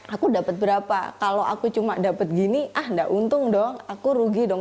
aku dapat berapa kalau aku cuma dapat gini ah nggak untung dong aku rugi dong